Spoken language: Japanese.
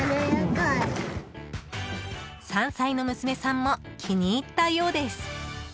［３歳の娘さんも気に入ったようです］